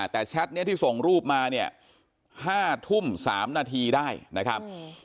แต่แชทนี้ที่ส่งรูปมาเนี่ย๕ทุ่ม๓นาทีได้นะครับ